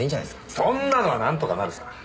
そんなのはなんとかなるさ。